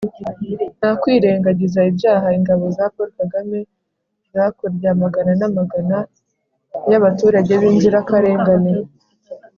nta kwirengagiza ibyaha ingabo za paul kagame zakorye amagana n'amagana y'abaturage b'inzirakarengane.